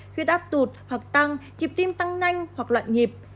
huyết áp tụt hoặc tăng kịp tim tăng nhanh hoặc loạn nhịp